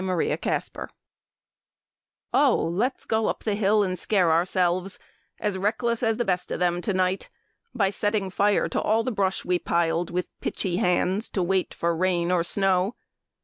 THE BONFIRE "Oh, let's go up the hill and scare ourselves, As reckless as the best of them to night, By setting fire to all the brush we piled With pitchy hands to wait for rain or snow.